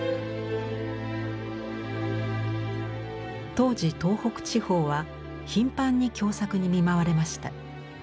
当時東北地方は頻繁に凶作に見舞われました。